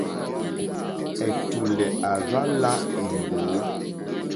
Ɛ̀tùlɛ̀ à rzá lā èmbǒ.